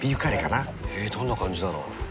へどんな感じだろ。